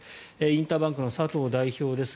インターバンクの佐藤代表です。